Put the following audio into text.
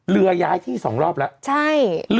๑เรื้อย้ายที่สองรอบแล้ว